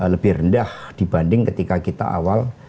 lebih rendah dibanding ketika kita awal